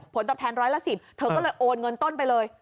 ตอบแทนร้อยละ๑๐เธอก็เลยโอนเงินต้นไปเลย